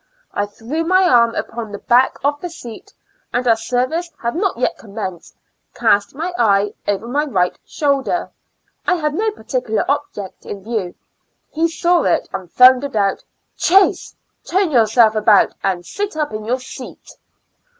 I threw my arm upon the back of the seat, and as service had not yet commenced, cast my eye over my right shoulder; I had no particular object in view; he saw it, and thundered out, "Chase, turn yourself about, and sit up in your seat."